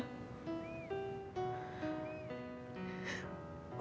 untuk menjaga jarak